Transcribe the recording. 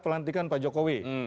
pelantikan pak jokowi